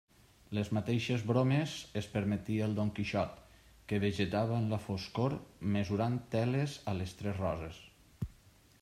Les mateixes bromes es permetia el Don Quixot que vegetava en la foscor, mesurant teles a Les Tres Roses.